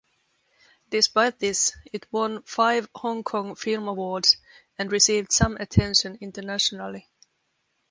Despite this, it won five Hong Kong Film Awards, and received some attention internationally.